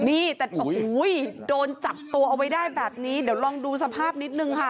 นี่แต่โอ้โหโดนจับตัวเอาไว้ได้แบบนี้เดี๋ยวลองดูสภาพนิดนึงค่ะ